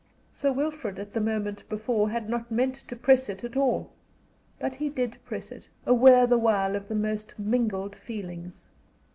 Sir Wilfrid at the moment before had not meant to press it at all. But he did press it, aware the while of the most mingled feelings.